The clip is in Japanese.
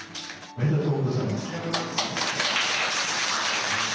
ありがとうございます。